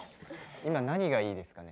今何がいいですかね？